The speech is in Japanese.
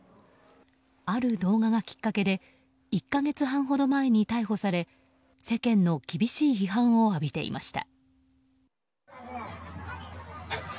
ある動画がきっかけで１か月半ほど前に逮捕され世間の厳しい批判を浴びていました。